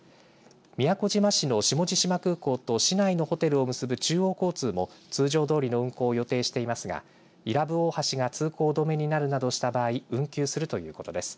宮古島市の下地島空港と市内のホテルを結ぶ中央交通も通常どおりの運行を予定していますが伊良部大橋が通行止めになるなどの場合運休するこということです。